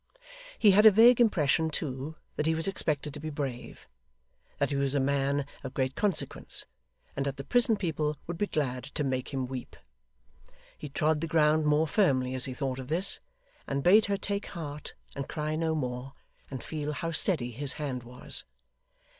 He had a vague impression too, that he was expected to be brave that he was a man of great consequence, and that the prison people would be glad to make him weep. He trod the ground more firmly as he thought of this, and bade her take heart and cry no more, and feel how steady his hand was.